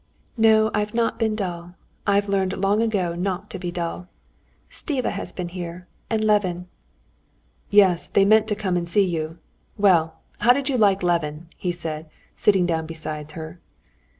"No, I've not been dull; I've learned long ago not to be dull. Stiva has been here and Levin." "Yes, they meant to come and see you. Well, how did you like Levin?" he said, sitting down beside her.